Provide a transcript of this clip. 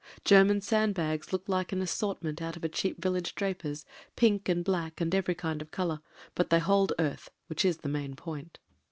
German sandbags look like an assortment out of a cheap village draper's — pink and black and every kind of colour, but they hold earth, which is the main point.